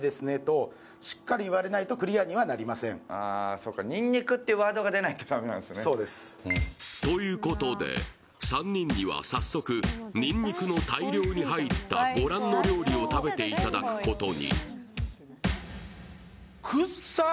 今回ピックアップした説はということで３人には早速にんにくの大量に入ったご覧の料理を食べていただくことに。